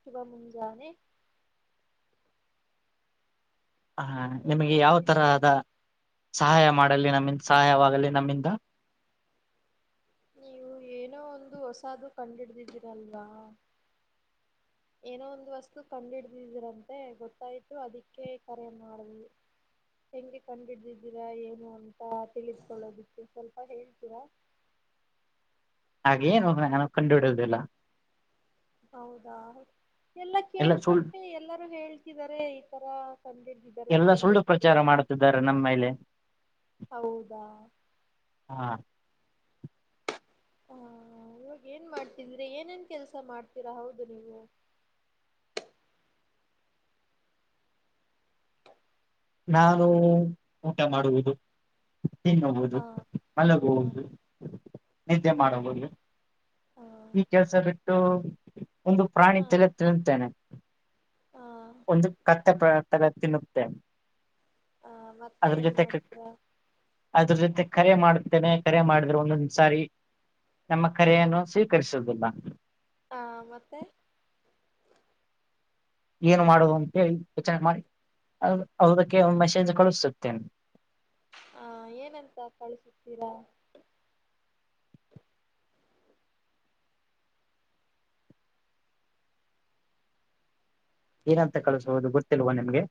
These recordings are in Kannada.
ಶುಭ ಮುಂಜಾನೆ. ಹ ಏನ್ ನಿಮಗೆ ಯಾವ ಮಾಡ್ತಿದ್ದೀರಾ ತರಹದ ಸಹಾಯ ಮಾಡ [unintelligible] ನಮ್ಮಿಂದ ಸಹಾಯವಾಗಲಿ ನಮ್ಮಿಂದ ನೀವು ಏನೋ ಒಂದು ಹೊಸದು ಕಂಡ್ ಹಿಡ್ದಿದ್ದೀರಲ್ವಾ. ಏನೋ ಒಂದು ವಸ್ತು ಕಂಡಿಡ್ದಿದೀರಂತೆ ಗೊತ್ತಾಯ್ತು ಅದಕ್ಕೆ ಕರೆ ಮಾಡ್ದೀವಿ ಹೆಂಗೆ ಕಂಡ್ಹಿಡ್ದಿದ್ದೀರಾ ಏನು ಅಂತ ತಿಳಿದ್ಕೊಳ್ಳೋದಿಕ್ಕೆ ಸ್ವಲ್ಪ ಹೇಳ್ತೀರಾ. ಹಾಗೇಏನು ಹೋಗ ನಾನು ಕಂಡು ಹಿಡುದಿಲ್ಲ. ಹೌದಾ. ಎಲ್ಲ ಕೇಳ್ಪಟ್ಟೆ ಎಲ್ಲರೂ ಹೇಳ್ತಿದ್ದಾರೆ ಈ ತರ ಕಂಡ್ದಿದ್ದಿದ್ದಾರೆ ಎಲ್ಲ ಸುಳ್ಳು ಪ್ರಚಾರ ಕಂಡ್ದಿದ್ದಿದ್ದಾರೆ ಮಾಡುತ್ತಿದ್ದಾರೆ ನಮ್ಮ ಮೇಲೆ ಹೌದಾ. ಹ ಹಾ ಇವಾಗ ಏನ್ ಮಾಡ್ತಿದ್ರಿ ಏನೇನ್ ಕೆಲ್ಸ ಮಾಡ್ತೀರಾ ಹೌದು ನೀವು. ನಾನು ಊಟ ಮಾಡುವುದು. ತಿನ್ನುವುದು ಹ ಹ ಮಲಗುವುದು ನಿದ್ದೆ ಹ ಮಾಡುವುದು ಹ ಈ ಕೆಲಸ ಬಿಟ್ಟು ಒಂದು ಪ್ರಾಣಿ ತಲೆ ತಿನ್ನುತೇನೆ ಹ ಹ ಒಂದು ಕತ್ತೆಪ ತ ತಿನ್ನುತ್ತೇ ಆ ಮತ್ತೆ ಏನ್ ಮಾಡ್ತೀರಾ. ಅದ್ರ ಜೊತೆ ಕರೆ ಮಾಡುತ್ತೇನೆ ಕರೆ ಮಾಡಿದ್ರೆ ಒಂದೊಂದಸಾರಿ ನಮ್ಮ ಕರೆಯನ್ನು ಸ್ವೀಕರಿಸುವುದಿಲ್ಲ. ಆ ಮತ್ತೆ ಏನು ಮಾಡುವ ಅಂತೇಳಿ ವಿಚಾರ ಮಾಡಿ ಅದಕ್ಕೆ ಮೆಸೇಜ್ ಕಳಿಸುತ್ತೇನೆ. ಹಾ ಏನಂತ ಕಳಿಸುತ್ತಿರಾ ಏನಂತ ಕಳ್ಸೋದು ಗೊತ್ತಿಲ್ವಾ ನಿಮ್ಗೆ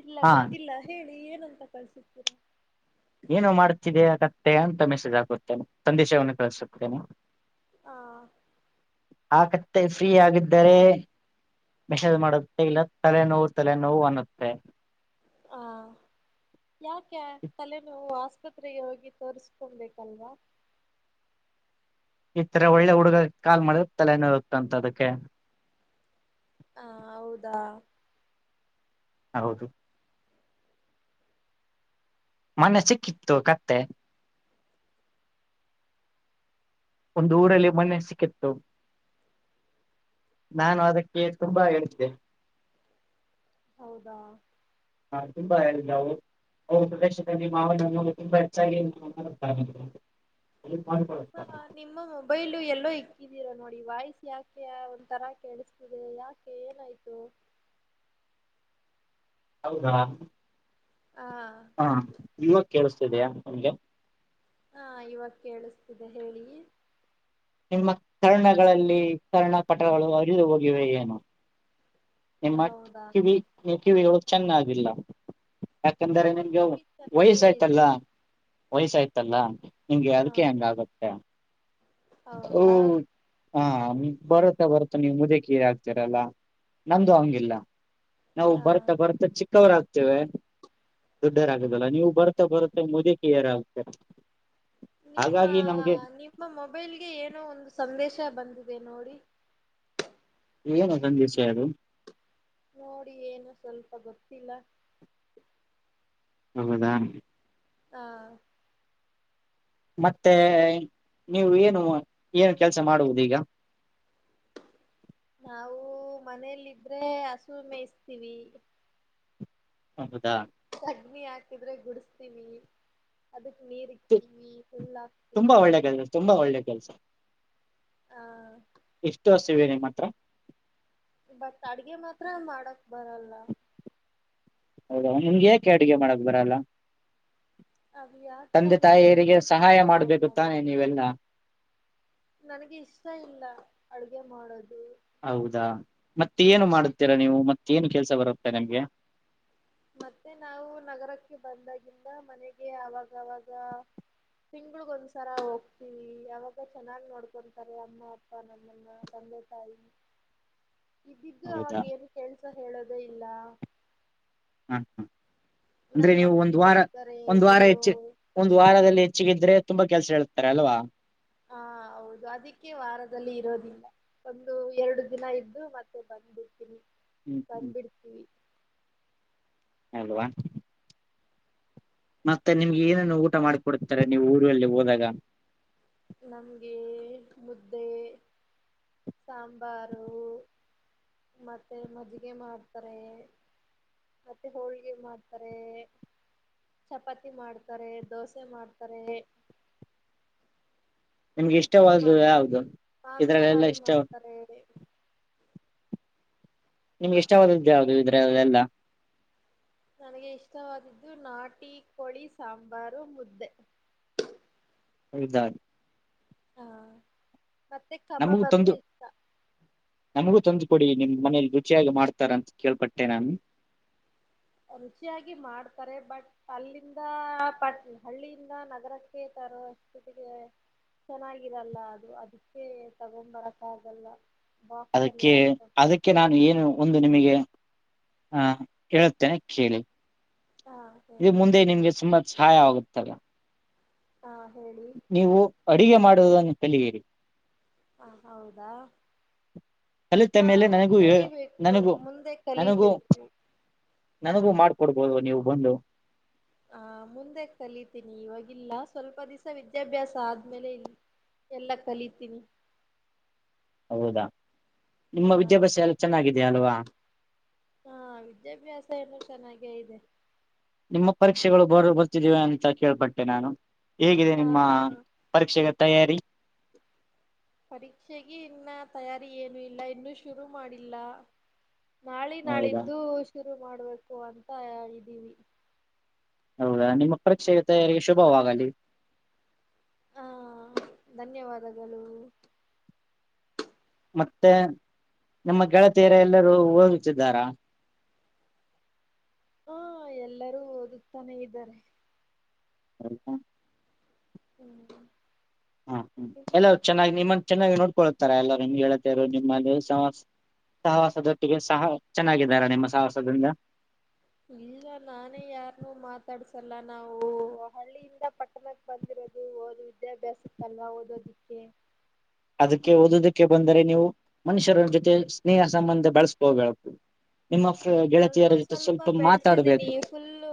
ಇಲ್ಲ ಹಾ ಗೊತ್ತಿಲ್ಲ ಹೇಳಿ ಏನಂತ ಕಳ್ಸ ಏನು ಮಾಡುತ್ತಿದ್ದೀಯ ಕತ್ತೆ ಅಂತ ಮೆಸೇಜ್ ಹಾಕುತ್ತೇನೆ ಸಂದೇಶವನ್ನು ಕಳಿಸುತ್ತೇನೆ. ಹ ಆ ಕತ್ತೆ ಫ್ರೀ ಆಗಿದ್ದರೆ ಮೆಸೇಜ್ ಮಾಡುತ್ತೆ ಇಲ್ಲ ತಲೆನೋವು ತಲೆನೋವು ಅನ್ನುತ್ತೆ. ಹಾ ಯಾಕೆ ತಲೆನೋವು ಆಸ್ಪತ್ರೆಗೆ ಹೋಗಿ ತೋರಿಸಕೊಬೇಕಲ್ವಾ. ಈ ತರ ಒಳ್ಳೆ ಹುಡುಗ ಕಾಲ್ ಮಾಡಿದ್ರೆ ತಲೆ ನೋವುತಂತೆ ಅದಕ್ಕೆ. ಹಾ ಹೌದಾ. ಹೌದು. ಮನ್ನೆ ಸಿಕ್ಕಿತ್ತು ಕತ್ತೆ. ಒಂದು ಊರಲ್ಲಿ ಮೊನ್ನೆ ಸಿಕ್ಕಿತ್ತು, ನಾನು ಅದಕ್ಕೆ ತುಂಬಾ ಹೇಳ್ದೆ. ಹೌದಾ. ಹಾ ತುಂಬಾ ಎಲ್ಲವು ಪ್ರದೇಶದಲ್ಲಿ ಮಾವಿನ ಹಣ್ಣು ತುಂಬಾ ಹೆಚ್ಚಾಗಿ ನಿಮ್ಮ ಮಾತಾಡುತ್ತಾರೆ ನಿಮ್ಮ ಮೊಬೈಲು ಎಲ್ಲೋ ಇಕ್ಕಿದೀರಾ ನೋಡಿ. ವಾಯ್ಸ್ ಯಾಕೆ ಒಂತರ ಕೆೇಳಿಸತದೆ ಯಾಕೆ ಏನಾಯ್ತು. ಹೌದಾ. ಹಾ ಹಾ ಇವಾಗ ಕೇಳ್ಸ ಇದೆಯಾ ನಿಮಗೆ ಹಾ ಇವಾಗ ಕೇಳಿಸ್ತಿದೆ ಹೇಳಿ. ನಿಮ್ಮ ಕರ್ಣಗಳಲ್ಲಿ ಕರ್ಣ ಪಟಗಳು ಹರಿದು ಹೋಗಿವೆ ಏನು. ನಿಮ್ಮ ಹೌದಾ ಕಿವಿ ನೀವ್ ಕಿವಿ ಹೌದ ಚೆನ್ನಾಗಿಲ್ಲ. ಯಾಕಂದ್ರೆ ನಮ್ಮ ನಿಂಗೆ ಕಿವಿ ಚೆನ್ನಾಗೇ ವಯ್ಸಾಯ್ತಲ್ಲ ಇದೆ ವಯ್ಸಾಯ್ತಲ್ಲ ಹ ನಿಂಗೆ ಹಾ ಅದಕ್ಕೆೆ ಹಂಗಗತ್ತೆ. ಹೌದಾ [unintelligible] ಹಾ. ಬರುತ್ತ ಬರುತ್ತ ನಿಮ್ದೇ ಕೀ ಹಾಕ್ತರಲ್ಲ ನಮ್ದು ಹಂಗಿಲ್ಲ. ನಾವು ಹ ಬರ್ತಾ ಬರ್ತ ಚಿಕ ವರ್ ಆಗ್ತೇವೆ ದೊಡ್ಡರಾಗದಲ್ಲ ನೀವು ಬರ್ತಾ ಬರ್ತಾ ಮುದುಕಿಯರ್ ಆಗ್ತರ. ನಿಮ್ಮ ನಿಮ್ಮ ಮೊಬೈಲ್ ಗೆ ಏನೋ ಒಂದು ಸಂದೇಶ ಬಂದಿದೆ ನೋಡಿ. ಏನ ಸಂಂದೇಶ ಅದು. [inaudible] ನೋಡಿ ಏನು ಸ್ವಲ್ಪ ಗೊತ್ತಿಲ್ಲ. ಹೌದಾ. ಹಾ. ಮತ್ತೆ ನೀವು ಏನು ಏನ ಕೆಲ್ಸ ಮಾಡುವುದೀಗ ನಾವು ಮನೇೆಯಲ್ಲಿದ್ರೆ ಹಸು ಮೇಯಿಸ್ತೀವಿ. ಹೌದಾ. ಅಗ್ನಿ ಹಾಕಿದ್ರೆ ಗುಡಸ್ತೀನಿ ಅದಕ್ಕ ತುಂಬಾ ಒಳ್ಳೆ ಕೆಲ್ಸ ತುಂಬಾ ಒಳ್ಳೆ ಕೆಲ್ಸ. ಆ ಇಷ್ಟ [unintelligible] ಬಟ್ ಅಡ್ಗೆ ಮಾತ್ರ ಮಾಡಕ್ ಬರಲ್ಲ. ಹೌದ ನಿಮ್ಗೆ ಯಾಕೆ ಅಡುಗೆ ಮಾಡಕ್ ಬರಲ್ಲ. ಅದು ಯಾಕೆ ತಂದೆ ಅಂದ್ರೆ ತಾಯಿಯರಿಗೆ ನನಕ್ಕೆ ಇಷ್ಟ ಸಹಾಯ ಇಲ್ಲ ಮಾಡ್ಬೇಕು ತಾನೆ ನೀವೆಲ್ಲ ನನಗೆ ಇಷ್ಟ ಇಲ್ಲ. ಅಡುಗೆ ಮಾಡೋದು ಹೌದಾ ಮತ್ತ ಏನು ಮಾಡುತ್ತೀರಾ ನೀವು ಮತ್ತೇಏನು ಕೆಲ್ಸ ಬರುತ್ತೆ ನೀಮ್ಗೆ ಮತ್ತೆ ನಾವು ನಗರಕ್ಕೆ ಬಂದಾಗಿಂದ ಮನೆಗೆ ಅವಾಗವಾಗ ತಿಂಗಳಗ ಒಂದ್ಸರ ಹೋಗ್ತಿವಿ ಅವಾಗ ಚೆನ್ನಾಗಿ ನೋಡ್ಕೊಂತಾರೆ ಅಮ್ಮ ಅಪ್ಪ ನಮ್ಮ ತಂದೆ ತಾಯಿ ಇದ್ದಿದ್ದು ಅವಾಗ ಹೌದಾ ಏನು ಕೆಲ್ಸ ಹೇಳೋದೇ ಇಲ್ಲ. ಹ್ಮ ಹ್ಮ. ಅಂದ್ರೆ ನಮ್ಮ ನೀವು ಮಕ್ಳು ಒಂದ್ ವಾರ ಬರ್ತಾರೆ ಒಂದ್ ವಾರ ಬಿಡು ಹೆಚ್ಚ ಒಂದ ವಾರದಲ್ಲಿ ಹೆಚ್ಚಗಿದ್ರೆ ತುಂಬಾ ಕೆಲ್ಸ ಹೇಳ್ತಾರೆ ಅಲ್ವಾ. ಹಾ ಹೌದು ಅದಕ್ಕೆ ವಾರದಲ್ಲಿ ಇರೋದಿಲ್ಲ ಒಂದು ಎರಡು ದಿನ ಇದ್ದು ಮತ್ತೆ ಬಂದು ಹ್ಮ್ [unintelligible] ಅಲ್ವ. ಮತ್ತೆ ನಿಮ್ಗೆ ಏನೇನು ಊಟ ಮಾಡಿಕೊಡ್ತಾರೆ ನೀವು ಊರಲ್ಲಿ ಹೋದಾಗ. ನಮ್ಗೆ ಮುದ್ದೆ ಸಾಂಬಾರು ಮತ್ತೆ ಮಜ್ಿಗೆ ಮಾಡ್ತಾರೆ ಮತ್ತೆ ಹೋಳ್ಿಗೆ ಮಾಡ್ತಾರೆ ಚಪಾತಿ ಮಾಡ್ತಾರೆ ದೋಸೆ ಮಾಡ್ತಾರೆ ನಿಮ್ಗೆ ಚಿಕನ್ ಇಷ್ಟವದು ಮಾಡ್ ಯಾವದು ಇದ್ರಲ್ಲೆಲ್ಲ ಮಾಂಸಾಹಾರಿ ಇಷ್ಟ ಮಾಡ್ತಾರೆ ನಿಮ್ಗೆ ಎಷ್ಟಾವದು್ದು ಯಾದು ಇದ್ರ ಎಲ್ಲ ನನಗೆ ಇಷ್ಟವಾದಿದ್ದು ನಾಟಿ ಕೋಳಿ ಸಾಂಬಾರು ಮುದ್ದೆ ಅದಾನ ಹಾ ಮತ್ತೆ ಕಬ ನಮಗೂ ಬಂದ್ರೆ ತಂದು ಇಷ್ಟ ನಮಗೂ ತಂದು ಕೊಡಿ ನಿಮ್ ಮನೇಲಿ ರುಚಿಯಾಗಿ ಮಾಡ್ತಾರ ಅಂತ ಕೇಳ್ಪಟ್ಟೆ ನಾನು ರುಚಿಯಾಗಿ ಮಾಡ್ತಾರೆ ಬಟ್ ಅಲ್ಲಿಂದ ಪ ಹಳ್ಳಿಯಿಂದ ನಗರಕ್ಕೆ ತರ ಸ್ಥಿತಿಗೆ ಚೆನ್ನಾಗಿರಲ್ಲ ಅದು ಅದಕ್ಕೆ ತಗೊಂಡ್ ಬರಕ್ಕ ಆಗಲ್ಲ ಬಾಕ್ಸ್ ಅಲ್ಲಿ ಅದಕ್ಕೆ ಹಾಕೊಂಡು ಅದಕ್ಕೆ ನಾನು ಏನು ಒಂದು ನಿಮಗೆ ಹಾ ಹೇಳುತ್ತೇನೆ ಕೇಳಿ ಹಾ ಇದು ಹೇಳಿ ಮುಂದೆ ನಿಮ್ಗೆ ಸುಮಾ ಾಯ ಆಗುತ್ತಲ್ಲ ಹಾ ಹೇಳಿ ನೀವು ಅಡಗೆ ಮಾಡುವುದನ್ನು ತಿಲಿಯಿರಿ ಹ ಹೌದಾ ಕಲಿತ ಹಾ ಮೇಲೆ ನನಗೂ ಹೇ- ಕಲಿಬೇಕು ನನಗೂ ಮುಂದೆ ನನಗೂ ಕಲಿಬೇಕು ನನಗೂ ಮಾಡ್ಕೊಡ್ಬೋದು ನೀವು ಬಂದು ಹಾ ಮುಂದೆ ಕಲಿತೀನಿ ಇವವಾಗಿಲ್ಲ ಸ್ವಲ್ಪ ದಿವಸ ವಿದ್ಯಾಭ್ಯಾಸ ಆದ್ಮೇಲೆ ಇಲ್ ಎಲ್ಲ ಕಲಿತೀನಿ ಹೌದಾ ನಿಮ್ಮ ಆ ವಿದ್ಯಾಭ್ಯಾಸ ಎಲ್ಲ ಚೆನ್ನಾಗಿದೆಯ ಅಲ್ವಾ ಹಾ ವಿದ್ಯಾಭ್ಯಾಸ ಎಲ್ಲೂ ಚೆನ್ನಾಗೇ ಇದೆ ನಿಮ್ಮ ಪರೀಕ್ಷೆಗಳು ಬರ್ ಬರ್ತಿದಿವವಿ ಅಂತ ಕೇಳ್ಬಟ್ಟೆ ನಾನು ಹೇಗಿದೆ ಆ ನಿಮ್ಮ ಪರೀಕ್ಷೆೆಗೆ ತಯಾರಿ ಪರೀಕ್ಷೆಗೆ ಇನ್ನ ತಯಾರಿ ಏನು ಇಲ್ಲ ಇನ್ನುೂ ಶುರು ಮಾಡಿಲ್ಲ ನಾಳೆ ಹೌದಾ ನಾಳಿದ್ದು ಶ ಇ ಮಾಡ್ಬೇಕು ಅಂತ ಹೇಳಿದೀವಿ ಹೌದಾ ನಿಮ್ಮ ಪರೀಕ್ಷೆಗೆ ತಯಾರಿಗೆ ಶುಭವಾಗಲಿ ಹ ಧನ್ಯವಾದಗಳು ಮತ್ತೆ ನಮ್ಮ ಗೆಳತಿಯರ ಎಲ್ಲರೂ ಹೋಗುತ್ತಿದ್ದಾರಾ ಹಾ ಎಲ್ಲರೂ ಓದಕ್ತಾನೆ ಇದ್ದಾರೆ ಹಲ್ಕ ಹ್ಮ್ ಹಾ ಹ್ಮ ಎಲ್ಲ ಚೆನ್ನಾಗಿ ನಿಮ್ಮ ಚೆನ್ನಾಗಿ ನೋಡ್ಕೊಳ್ತಾರ ಎಲ್ಲರು ನಿಮ್ಗೆ ಹೇಳೇಳ್ತರು ನಿಮ್ಮಲ್ಲಿಹ ಸಹವಾಸದೊಟ್ಟಿಗೆ ಸಹ ಚೆನ್ನಾಗಿದಾರ ನಿಮ್ಮ ಸಾಹಸದಿಂದ ಇಲ್ಲ ನಾನೇ ಯಾರನ್ನೂ ಮಾತಾಡ್ಸಲ್ಲ ನಾವು ಹಳ್ಳಿಯಿಂದ ಪಟ್ಟಣಕ್ಕೆ ಬಂದಿರೋದು ಹಓದು ವಿದ್ಯಾಭ್ಯಾಸ ಇತ್ತಲ್ವಾ ಓದೋದಿಕ್ಕೆ ಅದಕ್ಕೆ ಓದೋದಕ್ಕೆ ಬಂದರೆ ನೀವು ಮನುಷ್ಯರ ಜೊತೆ ಸ್ನೇಹ ಸಂಬಂಧ ಬಳಸ್ಕೋಬ ಸ್ವಲ್ಪ ಸ್ವಲ್ಪ ಬೆಳೆಸಿದೀನಿ ಮಾತಾಡ್ಬೇಕು ಫುಲ್ಲ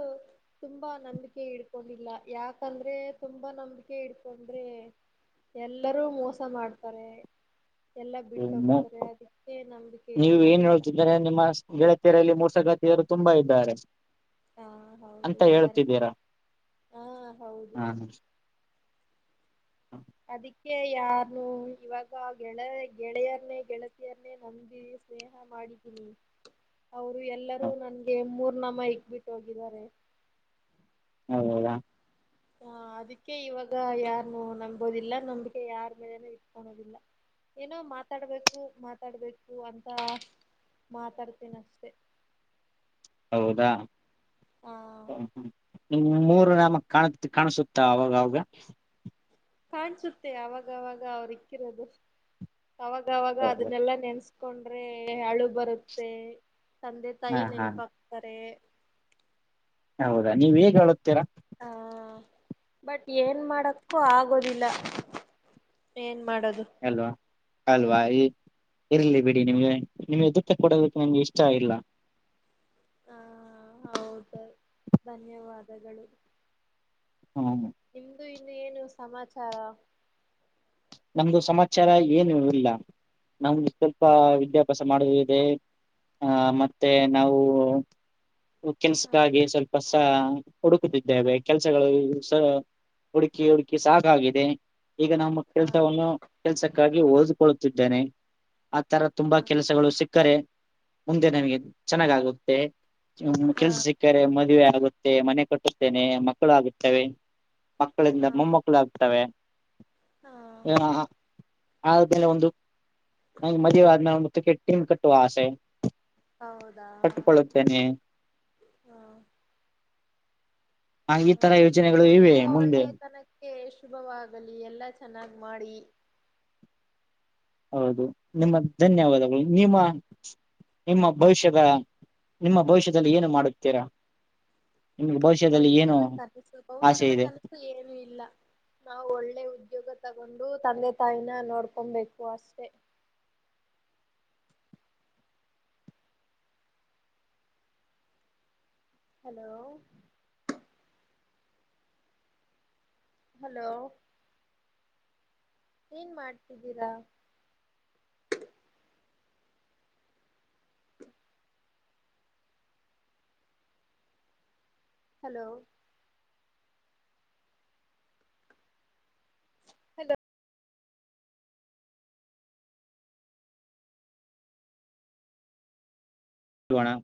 ತುಂಬಾ ನಂಬಿಕೆ ಇಡ್ಕೊಂಡಿಲ್ಲ ಯಾಕಂದ್ರೆ ತುಂಬಾ ನಂಬಿಕೆ ಇಟ್ಕೊಂಡ್ರೆ ಎಲ್ಲರೂ ಮೋಸ ಮಾಡ್ತಾರೆ ಎಲ್ಲ ಹ್ಮ ಬಿಟ್ಟೋಗ್ತಾರೆ ಅದಕ್ಕೆ ನಂಬಿಕೆ ನೀವು ಏನ್ ಇಡ್ಕೊಂಡಿಲ್ಲ ಹೇಳ್ತಿದ್ದ್ರ ನಿಮ್ಮ ಗೆಳತೀರಲ್ಲಿ ಮೂರ್ ಸಗತಿಯರು ತುಂಬಾ ಇದ್ದಾರೆ ಹಾ ಹೌದು ಅಂತ ಇದಾರೆ ಹೇಳ್ತಿದ್ದೀರಾ ಹಾ ಹೌದು ಹ ಅದಕ್ಕೆ ಯಾರನು ಇವಾಗ ಗೆಳ ಗೆಳೆಯರನೆೇ ಗೆಳತಿಯರನ್ನೇ ನಮ್ದಿ ಸ್ನೇಹ ಮಾಡಿದ್ದೀನಿ ಅವರು ಎಲ್ಲರೂ ನನ್ಗೆ ಮೂರು ಅಣಮ್ಮ ಇಕ್ ಬಿಿಟ್ಟು ಹೋಗಿದ್ದಾರೆ ಹೌ ಹೌದಾ ಹ ಅದಕ್ಕೆ ಇವಾಗ ಯಾರನ್ನು ನಂಬೋದಿಲ್ಲ ನಂಬಿಕೆ ಯಾರ ಮೇಲೆನೆ ಇಟ್ಕಳೋದಿಲ್ಲ ಏನೋ ಮಾತಾಡ್ಬೇಕು ಮಾತಾಡ್ಬೇಕು ಅಂತ ಮಾತಾಡ್ತೇನ ಅಷ್ಟೆ ಹೌದಾ ಆ ಹಾ ಹಾ ್ಮ ಮೂರು ನಾಮಕ್ ಕಾಣ ಕಾಣಸುತ್ತ ಅವಾಗ ಅವಾಗ ಕಾಣ್ಸುತ್ತೆ ಅವಾಗವಾಗ ಅವರು ಇಕ್ಕಿರೋದು ಅವಾಗ ಅವಾಗ ಹೌದು ಅದನ್ನೆಲ್ಲಾ ನೆನ್ಸ್ ಕಕೊಂಡ್ರೆ ಹಳು ಬರುತ್ತೆ ತಂದೆ ಹಾ ತಾಯಿ ಹಾ ನೆನಪಾಗಕ್ತಾರೆ ಹೌದಾ ನೀವ್ ಹೇಗ್ ಹೇಳುತ್ತೀರಾ ಹಾ ಬಟ್ ಏನ್ ಮಾಡಕ್ಕು ಆಗೋದಿಲ್ಲ ಏನ್ ಮಾಡೋದು ಅಲ್ವಾ ಅಲ್ವಾ್ತ ಇರ್ಲಿ ಬಿಡಿ ನಿಮ್ಗೆ ನಿಮ್ಗೆ ಎದುುತ್ತ ಕೊಡೋದಕ್ಕೆ ನಂ್ಗೆ ಇಷ್ಟ ಆ ಇಲ್ಲ ಹ ಹೌದು ಧನ್ಯವಾದಗಳು ಹ್ಮ ನಿಮ್ದು ಇನ್ನು ಏನು ಸಮಾಚಾರ ನಮ್ದು ಸಮಾಚಾರ ಏನು ಇಲ್ಲ ನಮಗೆ ಸ್ವಲ್ಪ ವಿದ್ಯಾಭ್ಯಾಸ ಮಾಡುವಿದೆ ಆಹ ಮತ್ತೆ ನಾವು ಹಾ ಕೆನ್ಸಕ್ಕಾಗಿ ಸ್ವಲ್ಪ ಹುಡುಕುತ್ತಿದ್ದೇವೆ ಕೆಲಸಗಳು ಹುಡುಕಿ ಹುಡುಕಿ ಸಾಕಾಗಿದೆ ಈಗ ನಾ ಹಾ ಕೆಲ್ಸವನ್ನು ಕೆಲ್ಸಕ್ಕಾಗಿ ಓದಿಕೊಳ್ಳುತ್ತಿದ್ದಾನೆ ಈ ತರ ತುಂಬಾ ಕೆಲಸಗಳು ಸಿ ಕರೆ ಮುಂದೆ ನಮಗೆ ಚೆನ್ನಾಗಾಗುತ್ತೆ ಹಾ ಕೆಲ್ಸ ಸಿಕ್ಕ ಮದುವ ಆಗುತ್ತೆ ಮನೆ ಕಟ್ಟುತ್ತೇನೆ ಮಕ್ಕಳು ಆಗುತ್ತವೆ ಮಕ್ಕಳಿಂದ ಹಾ ಮಮ್ಮಕ್ಕಳ ಆಗ್ತವೆ ಹಾ ಆದ್ಮೇಲೆ ಒಂದು ನಂಗೆ ಮದುವೆ ಆದ್ಮೇಲೆ ಒಿಕೆಟ್ ಟೀಮ್ ಕಟ್ಟುವ ಆಸೆ ಹೌದಾ ಕಟ್ಟಿಕೊಳ್ಳುತ್ತೇನೆ ಹಾ ಹ ಈ ಹಾ ತರ ನಿಮ್ಮ ಯೋಜನೆಗಳು ಇವೆ ಎಲ್ಲಾ ಮುಂದೆ ಒಳ್ಳೆಯತನಕ್ಕೆ ಶುಭವಾಗಲಿ ಎಲ್ಲಾ ಚೆನ್ನಾಗ್ ಮಾಡಿ ಹೌದು ನಿಮ್ಮ ಧನ್ಯವಾದಗಳು ನಿಮ್ಮ ನಿಮ್ಮ ಭವಿಷ್ಯದ ನಿಮ್ಮ ಭವಿಷ್ಯದಲ್ಲಿ ಏನು ಮಾಡುತ್ತೀರಾ ನಿಮ್ಗೆ ಭವಿಷ್ಯದಲ್ಲಿ ಏನು ಭವಿಷ್ಯದ ಕನಸು ಆಸೆ ಭವಿಷ್ಯದ ಇದೆ ಕನಸು ಏನು ಇಲ್ಲ ನಾವು ಒಳ್ಳೆ ಉದ್ಯೋಗ ತಗೊಂಡು ತಂದೆ ತಾಯಿನ ನೋಡ್ಕೊಬೇಕು ಅಷ್ಟೆ ಹಲೋ ಹಲೋ ಏನ್ ಮಾಡ್ತಿದ್ದೀರಾ ಹಲೋ ಹಲೋ ಅಣ್ಣ